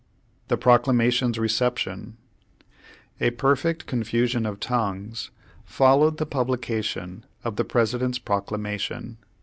THE PROCLAMATION'S RECEPTION A perfect confusion of tongues followed the publication of the President's Proclamation.